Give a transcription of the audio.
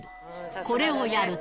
これをやると。